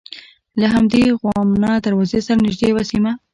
له همدې غوانمه دروازې سره نژدې یوه سیمه ده.